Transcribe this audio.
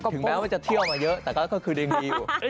ถึงแม้ว่าจะเที่ยวมาเยอะแต่ก็คือยังมีอยู่